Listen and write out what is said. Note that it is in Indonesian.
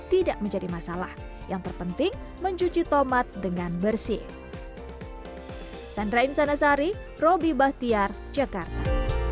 tidak menjadi masalah yang terpenting mencuci tomat dengan bersih sandra insanasari roby bahtiar jakarta